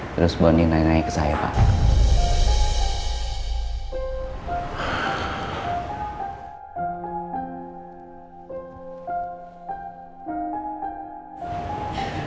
terus bu andien nanya nanya ke saya pak